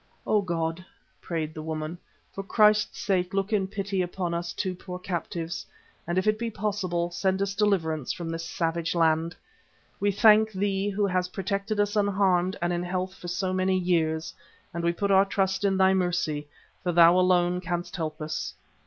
"O God," prayed the woman, "for Christ's sake look in pity upon us two poor captives, and if it be possible, send us deliverance from this savage land. We thank Thee Who hast protected us unharmed and in health for so many years, and we put our trust in Thy mercy, for Thou alone canst help us.